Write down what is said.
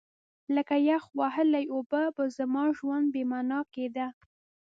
لکه یخ وهلې اوبه به زما ژوند بې مانا کېده.